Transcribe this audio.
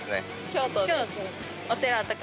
京都！